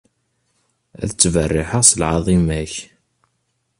Ad ttberriḥeɣ s lɛaḍima-k.